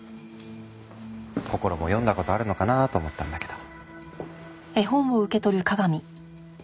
こころも読んだ事あるのかなと思ったんだけど。